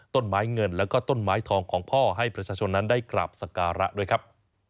ต้นไม้เงินแล้วก็ต้นไม้ทองของพ่อให้ประชาชนนั้นได้กราบสการะด้วยครับ